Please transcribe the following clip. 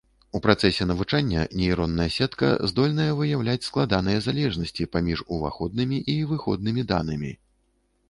У працэсе навучання нейронная сетка здольная выяўляць складаныя залежнасці паміж уваходнымі і выходнымі данымі.